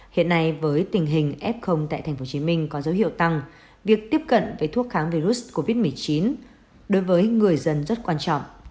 hiện nay với tình hình f tại tp hcm có dấu hiệu tăng việc tiếp cận với thuốc kháng virus covid một mươi chín đối với người dân rất quan trọng